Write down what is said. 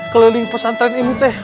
keliling pesantren ini teh